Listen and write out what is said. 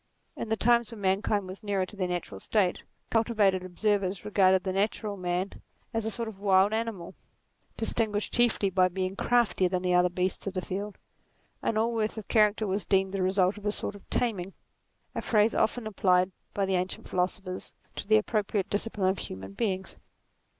In the times when man kind were nearer to their natural state, cultivated observers regarded the natural man as a sort of wild animal, distinguished chiefly by being craftier than the other beasts of the field ; and all worth of charac ter was deemed the result of a sort of taming; a phrase often applied by the ancient philosophers to the appropriate discipline of human beings.